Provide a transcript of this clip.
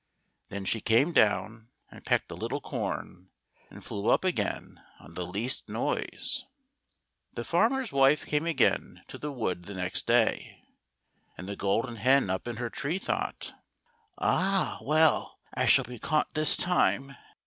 Then she came down and pecked a little corn and flew up again on the least noise. The farmer's wife came again to the wood the next day, and the Golden Hen up in her tree thought :" Ah ! well, I shall be caught this time."